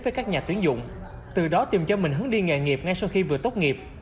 với các nhà tuyến dụng từ đó tìm cho mình hướng đi nghề nghiệp ngay sau khi vừa tốt nghiệp